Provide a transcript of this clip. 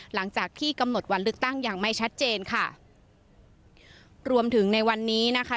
หลังจากที่กำหนดวันเลือกตั้งอย่างไม่ชัดเจนค่ะรวมถึงในวันนี้นะคะ